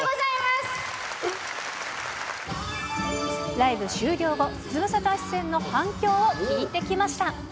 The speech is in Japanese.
ライブ終了後、ズムサタ出演の反響を聞いてきました。